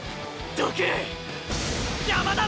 どけ！